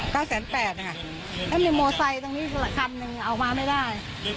เก้าแสนแปดและมีโมไซล์ตรงนี้ก็อยู่ออกมาไม่ได้